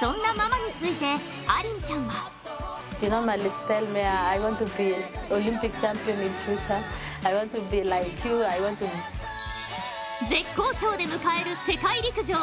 そんなままについてアリンちゃんは絶好調で迎える世界陸上。